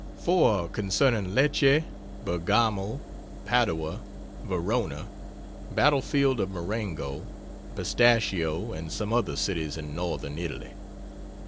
4 concerning Lecce, Bergamo, Padua, Verona, Battlefield of Marengo, Pestachio, and some other cities in Northern Italy.